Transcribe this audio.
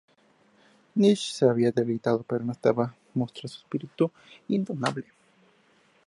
McNish se iba debilitando, pero no dejaba de mostar un "espíritu indomable".